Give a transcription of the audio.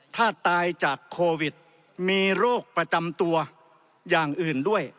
ถ้าตายจากโควิดมีโรคประจำตัวอย่างอื่นด้วย